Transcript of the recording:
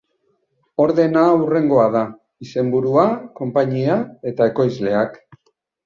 Ordena hurrengoa da: izenburua, konpainia eta ekoizleak.